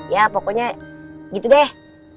ya pokoknya gitu deh